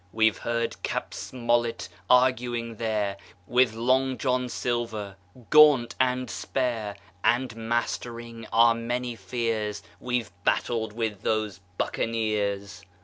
We've heard Cap. Smollett arguing there With Long John Silver, gaunt and spare, And mastering our many fears We've battled with those buccaneers.